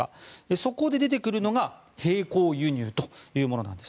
そこで出てくるのが並行輸入というものなんです。